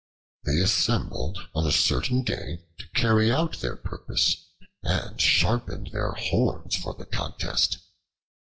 They assembled on a certain day to carry out their purpose, and sharpened their horns for the contest.